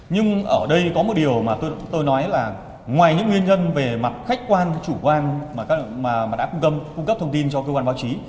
nhưng ở đây có một điều mà tôi nói là ngoài những nguyên nhân về mặt khách quan chủ quan đã cung cấp cung cấp thông tin cho cơ quan báo chí